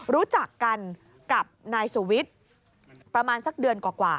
รู้จักกันกับนายสุวิทย์ประมาณสักเดือนกว่า